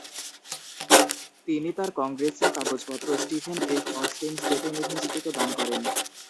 তিনি তার কংগ্রেসীয় কাগজপত্র স্টিফেন এফ. অস্টিন স্টেট ইউনিভার্সিটিকে দান করেন।